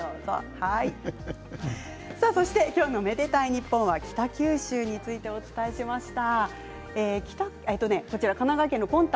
そして今日の「愛でたいｎｉｐｐｏｎ」は北九州についてお伝えしました。